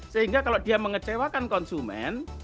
sehingga kalau dia mengecewakan konsumen